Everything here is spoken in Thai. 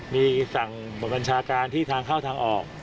มีสั่งบทบัญชาการที่ทางเข้าทางออก